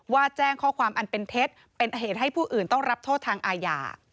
แจ้งข้อความอันเป็นเท็จเป็นเหตุให้ผู้อื่นต้องรับโทษทางอาญา